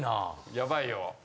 ヤバいよ。